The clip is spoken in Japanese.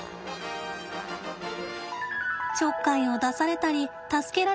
ちょっかいを出されたり助けられたり。